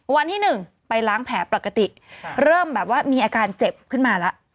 วันที่๑ไปล้างแผลปกติเริ่มแบบว่ามีอาการเจ็บขึ้นมาแล้ว